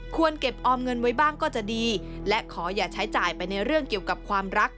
เก็บออมเงินไว้บ้างก็จะดีและขออย่าใช้จ่ายไปในเรื่องเกี่ยวกับความรัก